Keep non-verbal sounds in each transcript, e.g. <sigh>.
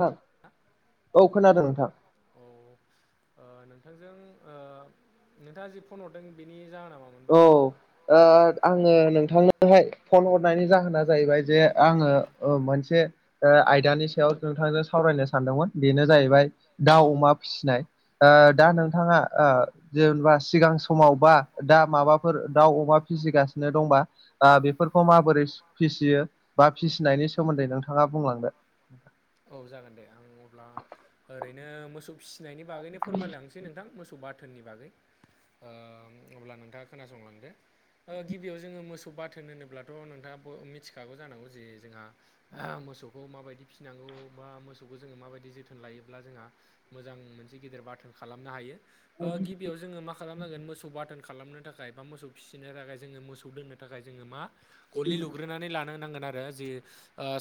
नोंथां औ औ खोनादों नोंथां नोंथांजों नोंथाङा जि फन हरदों बेनि जाहोनाव औ आङो नोंथांनोहाय फन हरनायनि जाहोना जाहैबाय जे आङो मोनसे आयदानि सायाव नोंथांजों सावरायनो सानदोंमोन बेनो जाहैबाय दाउ अमा फिसिनाय दा औ नोंथाङा जेनेबा सिगां समाव बा दा माबाफोर दाउ अमा फिसिगासिनो दंबा बेफोरखौ माबोरै फिसियो बा फिसिनायनि सोमोन्दै नोंथाङा बुंलांदो औ जागोन दे आं अब्ला ओरैनो मोसौ फिसिनायनि बागैनो फोरमायलायांनोसै जे नोंथां मोसौ बाथोननि बागै अब्ला नोंथाङा खोनासंलांदो गिबियाव जोङो मोसौ बाथ बिथोन होनोब्लाथ' नोंथाङा मिथिखागौ जानांगौ जे जोंहा मोसौखौ माबायदि फिनांगौ बा मोसौखौ जोङो माबायदि जोथोन लायोब्ला जोंहा मोजां मोनसे गेदेर बाथोन खालामनो हायो गिबियाव जोङो माखा खालामनांगोन मोसौ बाथोन खालामनो थाखाय बा मोसौ फिसिनो थाखाय जोङो मोसौ दोननो थाखाय जोङो मा गलि लुग्रोनानै लानो नांगोन आरो जि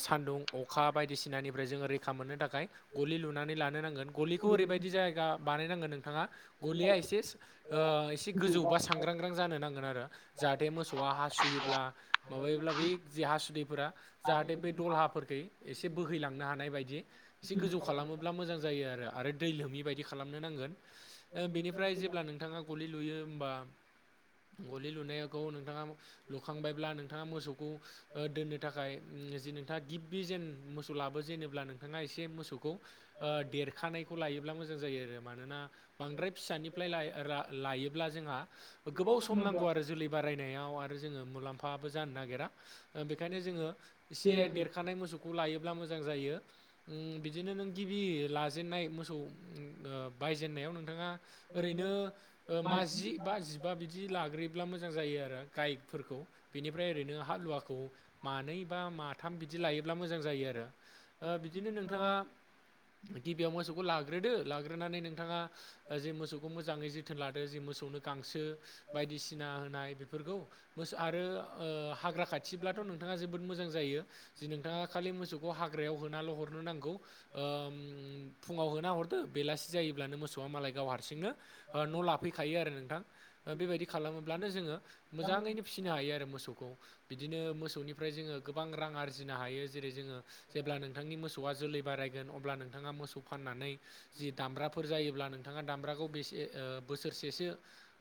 सान्दुं अखा बायदिसिनानि ओमफ्राय जोङो रैखा मोननो थाखाय गलि लुनानै लानो नांगोन गलिखौ ओरैबायदि जायगा बानायनांगोन नोंथाङा गलिया एसे एसे गोजौ बा सांग्रांग्रां जानो नांगोन आरो जाहाथे मोसौआ हासुयोब्ला माबायोब्ला बे जे हासुदैफोरा जाहाथे बे दलहाफोरखै एसे बोहैलाङो बदि एसे गोजौ खालामोब्ला मोजां जायो आरो आरो दै लोमि बायदि खालामनो नांगोन बेनिफ्राय जेब्ला नोंथाङा गलि लुयो होमबा गलि लुनायखौ नोंथाङा लुखांबायब्ला नोंथाङा मोसौखौ दोननो थाखाय जे नोंथाङा गिबबि जेन मोसौ लाबो जेब्ला नोंथाङा एसे मोसौखौ देरखानायखौ लायोब्ला मोजां जायो आरो मानोना बांद्राय फिसानिफ्राय लायोब्ला जोंहा गोबाव सम नांगौ आरो जोलै बारायनायाव आरो जोङो मुलाम्फाबो जानो नागिरा बेनिखायनो जोङो एसे देर खखानाय मोसौखौ लायोब्ला मोजां जायो। बिदिनो नों गिबि लाजेनन्नाय मोसौ बायजेनन्नायाव नोंथाङा ओरैनो मााजि बा जिबा बिदि लाग्रोयोब्ला मोजां जायो आरो गाइकफोरखौ बेनिफ्राय ओरैनो हालुवाखौ मानै बा माथाम बिदि लायोब्ला मोजां जायो आरो बिदिनो नोंथाङा गिबियाव मोसौखौ लाग्रोदो लाग्रोनानै नोंथाङा जे मोसौखौ मोजाङै जोथोन लादों जे मोसौनो गांसो बायदिसिना होनाय बेफोरखौ मोस आरो ओ हाग्रा खाथिब्लाथ' नोंथाङा जोबोद मोजां जायो जि नोंथाङा खालि मोसौ खौ हाग्रायाव होनानैाल' हरनो नांगौ। ओम फुङाव होना हरदो बेलासि जायोब्लानो मोसौआ मालाय गाव हारसिंनो ओ न' लाफैखायो आरो नोंथां। ओ बेबायदि खालामोब्लानो जोंङो मोजाङैनो फिसिनो हायो आरो मोसौखौ। बिदिनो मोसौनिफ्राय जोंङो गोबां रां आरजिनो हायो जेरै जोंङो जेब्लानो नोंथांनि मोसौआ जोलै बारायगोन अब्ला नोंथाङा मोसौ फाननानै जि दामब्राफोर जायोब्ला नोंथाङा दामब्राखौ बेसे बोसोरसेसो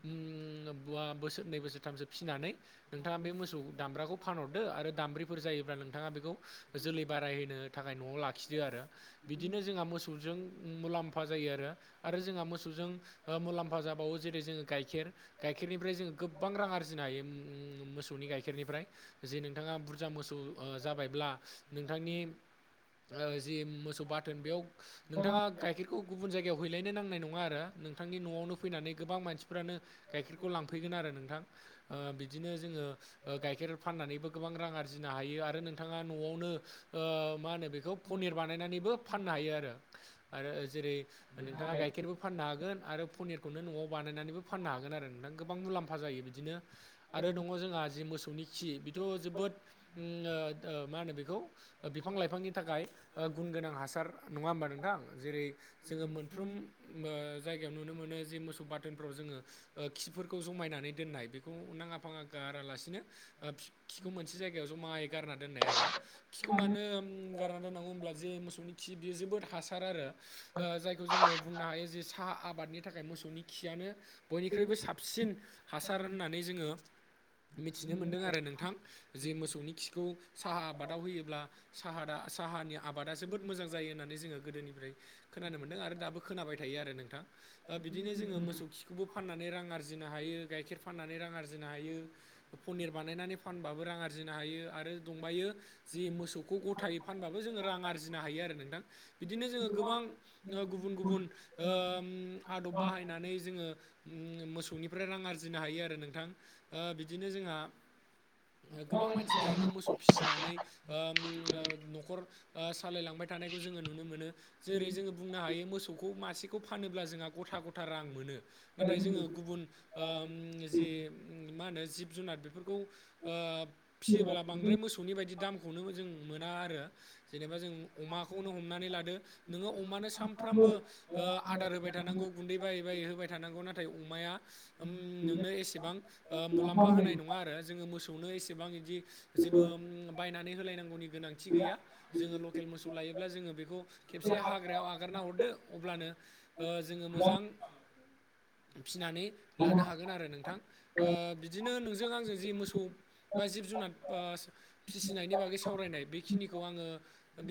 ओम बा बोसोरनै बोसोरथामसो फिनानै नोंथाङा बे मोसौ दामब्राखौ फानहरदो आरो दाम्ब्रिफोर जायोब्ला नोंथाङा बेखौ जोलै बारायहोनो थाखाय न'आव लाखिदो आरो बिदिनो जोंहा मोसौजों उम मुलाम्फा जायो आरो आरो जोंहा मोसौजों ओ मुलाम्फा जाबावो जेरै जोंङो गाइखेर गाइखेरनिफ्राय जोंङो गोबां रां आरजिनो हायो। उम मोसौनि गाइखेरनिफ्राय। जे नोंथाङा बुरजा मोसौ ओ जाबायब्ला नोंथांनि ओ जि मोसौ बाथोन बेयाव नोंथाङा गाइखेरखौ गुबुन जायगायाव हैलायनो नांनाय नङा आरो नोंथांनि न'आवनो फैनानै गोबां मानसिफ्रानो गाइखेरखौ लांफैगोन आरो नोंथां। ओ बिदिनो जोंङो गाइखेर फाननानैबो गोबां रां आरजिनो हायो आरो नोंथाङा न'आवनो ओ मा होनो बेखौ पनिर बानायनानैबो फाननो हायो आरो। आरो जेरै नोंथाङा गाय केरबो फाननो हागोन। आरो पनिरखौनो न'आव बानायनानैबो फाननो हागोन आरो नोंथां। गोबां मुलाम्फा जायो बिदिनो आरो दङ जोंहा जि मोसौनि खि बेथ' जोबोद ओमनो ओ मा होनो बेखौ? ओ बिफां लाइफांनि थाखाय गुन गोनां हासार नङा होमबा नोंथां। जेरै जोंङो मोनफ्रोम ओ जायगायाव नुनो मोनो जे मोसौ बाद बटोनफ्राव जोंङो ओ खिफोरखौ जमायनानै दोननाय बेखौ नाङा फाङा गारालासिनो ओ खि खिखौ मोनसे जायगायाव ज' मायै गारना दोननाय आरो। खिखौ मानो गारना दोननांगौ होनोमब्ला जे मोसौनि खि बेयो जोबोद हासार आरो। जायखौ जोंङो बुंनो हायो जे साहा आबादनि थाखाय मोसौनि खियानो बयनिख्रुइबो साबसिन हासार होननानै जोंङो मिथिनो मोनदों आरो नोंथां। जे मोसौनि खिखौ साहा आबादाव होयो। अब्ला साहा साहानि आबादा जोबोद मोजां जायो होननानै जोङो गोदोनिफ्राय खोनानो मोन्दों आरो दाबो खोनाबाय थायो आरो नोंथां। ओ बिदिनो जोंङो मोसौ खि बेखौबो फाननानै रां आरजिनो हायो गाइखेर फाननानै रां आरजिनो हायो पनिर बानायनानै फान बाबो रां आरजिनो हायो आरो दंबायो जे मोसौखौ गथायै फानबाबो जोंङो रां आरजिनो हायो आरो नोंथां। बिदिनो जोंङो गोबां ओ गुबुन गुबुन ओम आदब बाहायनो फनानै जोंङो ओम मोसौनिफ्राय रां आरजिनो हायो आरो नोंथां बिदिनो जोंहा <inaudible> ओ गोबां मानसिफोरानो मोसौ फिसिनानै ओम ओम न'खर ओ सालायलांबाय थानायखौ जोंङो नुनो मोनो। जेरै जोंङो बुंनो हायो मोसौखौ मासेखौ फानोब्ला जोंहा गथा गथा रां मोनो। नाथाय जोंङो गुबुन ओम जि मा होनो जिब जुनार बेफोरखौ ओ फिसियोब्ला बांद्राय मोसौनि बायदि दामखौनो जों मोना आरो जेनेबा जों अमाखौनो हमनानै लादो नोंङो अमानो सानफ्रामबो ओ आदार होबाय थानांगौ गुन्दै बायै बायै होबाय थानांगौ नाथाय अमाया ओम नोंनो एसेबां मुलाम्फा होनाय नङा आरो जोंङो मोसौनो एसेबां बिदि जेबो बायनानै होलायनांगौनि गोनांथि गैया। जोङो लकेल मोसौ लायोब्ला जोङो बेखौ खेबसे हाग्रायाव आगारना हरदो अब्लानो जोङो मोजां <inaudible> फिनानै लानो हागोन आरो नोंथां बिदिनो नोंजों आंजों जि मोसौ बा जिब जुनार फिसिनायनि बागै सावरायनाय बेखिनिखौ आङो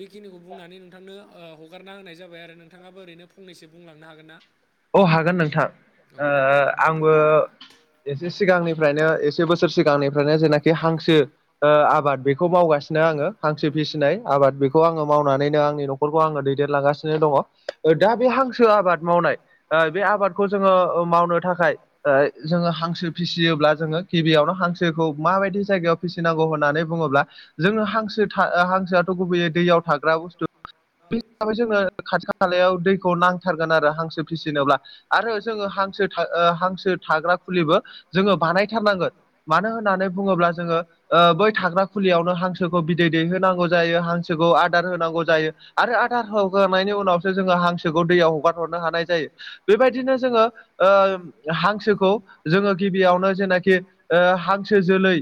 बेखिनिखौ बुंनानै नोंथांनो हगारना होननाय जाबाय आरो नोंथाङाबो ओरैनो फंनैसो बुंलांनो हागोन ना औ हागोन नोंथां औ आंबो एसे सिगांनिफ्रायनो एसे बोसोर सिगांनिफ्रायनो जेनाखि हांसो आबाद बेखौ मावगासिनो आङो खांस्रि फिसिनाय आबाद बेखौ आङो मावनानैनो आंनि न'खर फोरखौ आङो दैदेनलांगासिनो दङ दा बे हांसो आबाद मावनाय ओ बे आबादखौ जोङो मावनो थाखाय जोङो हांसो फिसियोब्ला जोङो गिबियावनो हांसो खौ माबायदि जायगायाव फिसिनांगौ होन्नानै बुङोब्ला जोङो हांसो हांसोआथ' गुबैयै दैयाव थाग्रा बुस्थु बे हिसाबै जोङो खाथि खा खालायाव दैखौ नांथारगोन आरो हांसो फिसिनोब्ला आरो जोङो हांसो हांसो थाग्रा फुलिबो जोङो बानायथारनांगोन मानो होननानै बुङोब्ला जोङो बै थाग्रा खुलियावनो हांसोखौ बिदै दैहोनांगौ जायो हांसोखौ आदार होनांगौ जायो आरो आदार होगांयनि उनावसो जोङो हांसोखौ दैयाव हगार हरनो हानाय जायो बेबायदिनो जोङो हांसोखौ जोङो गिबियावनो जेनाखि हांसो जोलै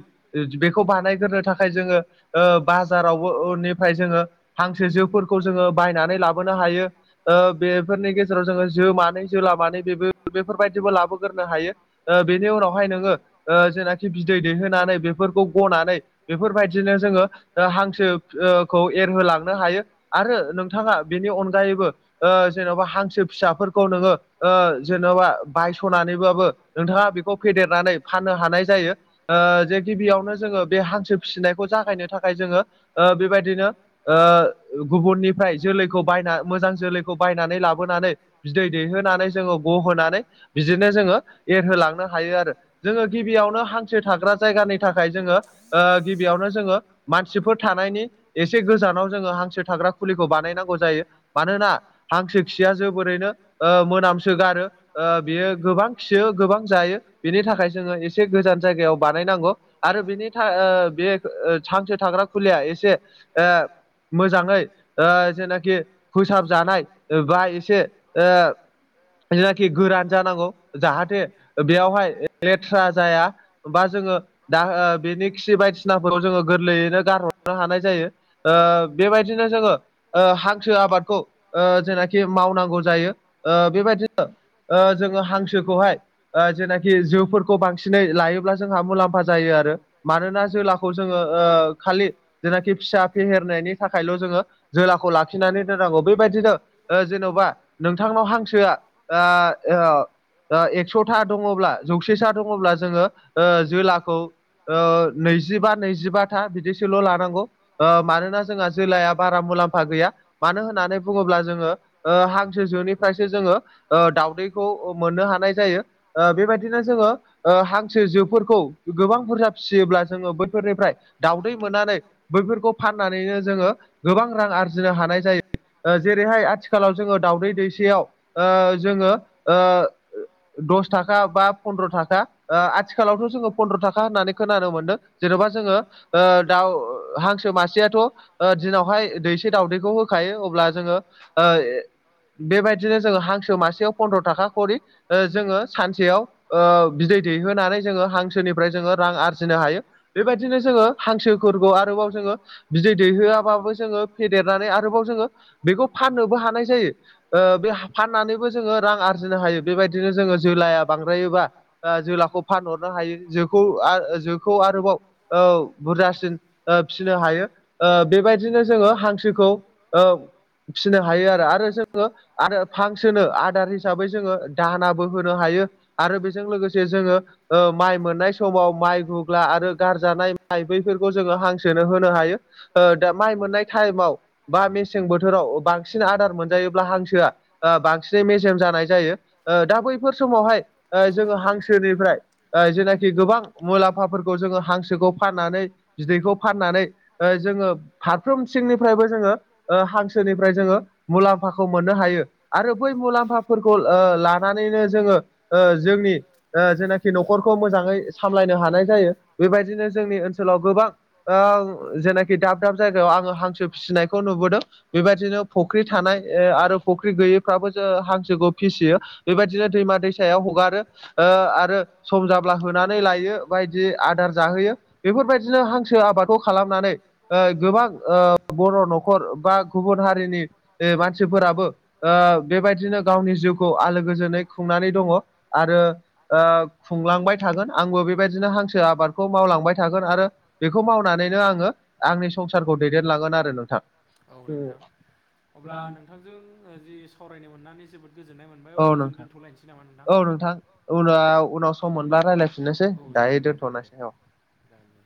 बेखौ बानायग्रो थाखाय जोङो बाजारावबो निफ्राय जोङो हांसो जफोरखौ जोङो बायनानै लाबोनो हायो बेफोरनि गेजेराव जोङो ज मानै जोला मानै बेबो बेफोरबायदिबो लाबोग्रोनो हायो बेनि उनावहाय नोङो जेनाखि बिदै दैहोनानै बेफोरखौ गनानै बेफोरबायदिनो जोङो हांसोखौ एरहोलांनो हायो आरो नोंथाङा बेनि अनगायैबो जेन'बा हांसो फिसाफोर खौ नोङो जेन'बा बायस'नानैबाबो नोंथाङा बेखौ फेदेरनानै फाननो हानाय जायो जे गिबियावनो जोङो बे हांसो फिसिनायखौ जागायनो थाखाय जोङो बेबायदिनो गुबुननिफ्राय जोलैखौ बायना मोजां जोलैखौ बायनानै लाबोनानै बिदै दैहोनानै जोङो गहोनानै बिदिनो जोङो एरहोलांनो हायो आरो जोङो गिबियावनो हांसो थाग्रा जायगानि थाखाय जोङो गिबियावनो जोङो मानसिफोर थानायनि एसे गोजानाव जोङो हांसो थाग्रा खुलिखौ बानायनांगौ जायो मानोना हांसो खिया जोबोरैनो मोनामसो गारो बियो गोबां खियो गोबां जायो बेनि थाखाय जोङो एसे गोजान जायगायाव बानायनांगौ आरो बेनि बे सानसे थाग्रा खुलिया एसे मोजाङै जेनाखि फोसाबजानाय बा एसे जेनाखि गोरान जानांगौ जाहाथे बेयावहाय लेथ्रा जाया बा जोङो दा बेनि खि बायदिसिनाफोरखौाव जोङो गोरलैयैनो गारहरनो हानाय जायो बेबायदिनो जोङो हांसो आबादखौ जेनाखि मावनांगौ जायो बेबायदिनो जोङो हांसोखौहाय जेनाखि जोफोरखौ बांसिनै लायोब्ला जोंहा मुलाम्फा जायो आरो मानोना जेलाखौ जोङो खालि जेनाखि फिसा फेहेरनायनि थाखायल' जोङो जोलाखौ लाखिनानै दोननांगौ बेबायदिनो जेन'बा नोंथांनाव हांसोआ एक्स'था दङब्ला जौसे सा दङब्ला जोङो जोलाखौ नैजिबा नैजिबा था बिदिैसोल' लानांगौ मानोना जोंहा जिल्लाया बारा मुलाम्फा गैया मानो होननानै बुङोब्ला जोङो हां जनिफ्रायसो जोङो दाउदैखौ मोननो हानाय जायो बेबायदिनो जोङो हांसो जोफोरखौ गोबां बुरजा फिसियोब्ला जोङो बोथफोरनिफ्राय दावउदै मोननानै बैफोरखौ फाननानैनो जोङो गोबां रां आरजिनो हानाय जायो जेरैहाय आथिखालाव जोङो दावउदै दैसेयाव जोङो दस थाखा बा फन्दद्र' थाखा आथिखालावथ' जोङो फन्द्र' थाखा होननानै खोनानो मोन्दों जेन'बा जोङो दाउ हांसो मासेयाथ' दिनावहाय दैसे दावउदैखौ होखायो अब्ला जोङो बेबायदिनो जोङो हांसो मासेयाव फन्द्र' थाखा खरि जोङो सानसेयाव बिदै दैहोनानै जोङो हांसोनिफ्राय जोङो रां आरजिनो हायो बेबायदिनो जोङो हांसोफोरखौ आरोबाव जोङो बिदै दैहोआाबाबो जोङो फेदेरनानै आरोबाव जोङो बेखौ फाननोबो हानाय जायो ओ बे फाननानैबो जोङो रां आरजिनो हायो बेबायदिनो जोङो जोलाया बांद्रायोबा जोलाखौ फानहरनो हायो जोखौ जोखौ आरोबाव बुरजासिन फिसिनो हायो बेबायदिनो जोङो हांसोखौ फिसिनो हायो आरो आरो ज आरो फांसनो आदार हिसाबै जोङो दाहानाबो होनो हायो आरो बेजों लोगोसे जोङो माइ मोननाय समाव माइ गुग्ला आरो गारजानाय माइ बैफोरखौ जोङो हांसोनो होनो हायो दा माइ मोननाय टाइमाव बा मेसें बोथोराव बांसिन आदार मोनजायोब्ला हांसोआ बांसिनै मेजेम जानाय जायो दा बैफोर समावहाय जोङो हांसोनिफ्राय जेनाखि गोबां मुलाम्फाफोरखौ जोङो हांसोखौ फाननानै बिदैखौ फाननानै जोङो फारफ्रोम सिंनिफ्रायबो जोङो हांसोनिफ्राय जोङो मुलामफा मुलाम्फाखौ मोननो हायो आरो बै मुलाम्फाफोरखौ ओ लानानैनो जोङो ओ जोंनि जेनाखि न'खरखौ मोजाङै सामलायनो हानाय जायो बेबायदिनो जोंनि ओनसोलाव गोबां जेनाखि दाब दाब जायगायाव आङो हांसो फिसिनायखौ नुबोदों बेबायदिनो फुख्रि थानाय आरो फख्रि गैयैफ्राबो जों हांसोखौ फिसियो बेबायदिनो दैमा दै सायाव हगारो आरो सम जाब्ला होनानै लायो बायदि आदार जाहोयो बेफोरबायदिनो हांसो आबादखौ खालामनानै गोबां बर' न'खर बा गुबुन हारिनि ओ मानसिफोराबो बेबायदिनो गावनि जिउखौ आलो गोजोनै खुंनानै दङ आरो खुंलांबाय थागोन आंबो बेबायदिनो हांसो आबादखौ मावलांबाय थागोन आरो बेखौ मावनानैनो आङो आंनि संसारखौ दैदेनलांगोन आरो नोंथां औ नोंथां अब्ला नोंथांजों जि सावरायनो मोननानै जोबोद गोजोन्नाय मोनबाय औ अब्ला जों नोंथां दोनथ'लायनोसै नामा नोंथां उनाव उनाव सम मोनब्ला रायज्लायफिननोसै औ जागोन दायो दे जागोन दे दोन्थ'नोसै औ जागोन दे